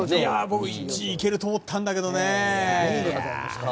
僕、１位いけると思ったんだけどね。